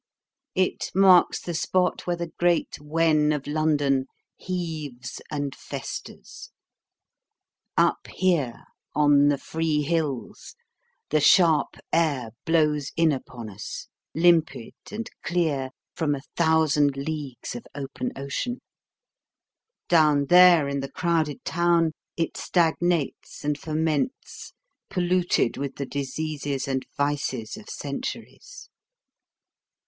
It marks the spot where the great wen of London heaves and festers. Up here on the free hills, the sharp air blows in upon us, limpid and clear from a thousand leagues of open ocean; down there in the crowded town, it stagnates and ferments, polluted with the diseases and vices of centuries.